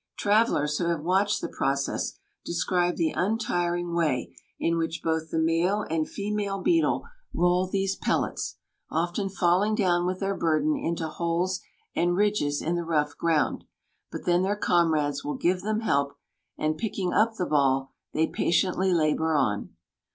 Travellers who have watched the process describe the untiring way in which both the male and female beetle roll these pellets, often falling down with their burden into holes and ridges in the rough ground; but then their comrades will give them help, and, picking up the ball, they patiently labour on.